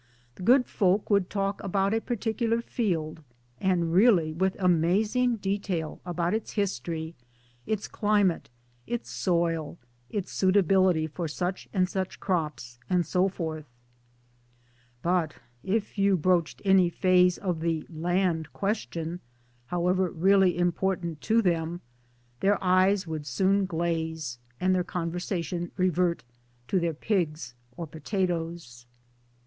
The good folk would talk about a particular field and really with amazing detail about its history, its climate, its soil, its suitability for such and such crops, and so forth ; but if you broached any phase of the Land Question (however really important to them) their eyes would soon glaze and their con versation revert to their pigs or potatoes.